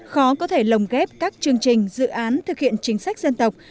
khó có thể lồng ghép các chương trình dự án thực hiện chính sách dân tộc